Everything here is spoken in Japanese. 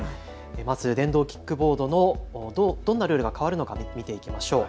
まず電動キックボード、どんなルールが変わるのか見ていきましょう。